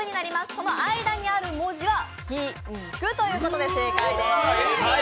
その間にある文字はピンクということで正解です。